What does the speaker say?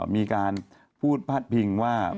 มีการพูดพาดพิงว่า